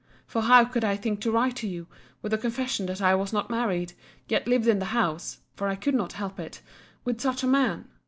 —For how could I think to write to you, with a confession that I was not married, yet lived in the house (for I could not help it) with such a man?